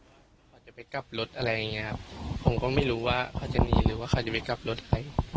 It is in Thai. เขาจะไปกลับรถอะไรอย่างเงี้ยครับผมก็ไม่รู้ว่าเขาจะหนีหรือว่าเขาจะไปกลับรถใคร